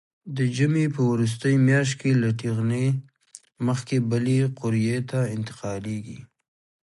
د ژمي په وروستۍ میاشت کې له ټېغنې مخکې بلې قوریې ته انتقالېږي.